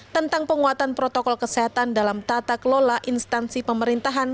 tentang penguatan protokol kesehatan dalam tata kelola instansi pemerintahan